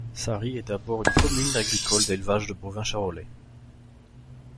Sarry est d'abord une commune agricole d'élevage de bovins charolais.